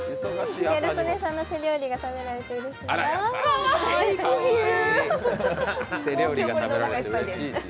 ギャル曽根さんの手料理が食べれてうれしいです。